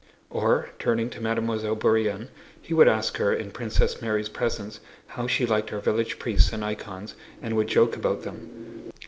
Or, turning to Mademoiselle Bourienne, he would ask her in Princess Mary's presence how she liked our village priests and icons and would joke about them.